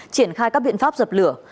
triển khai các biện pháp dập lửa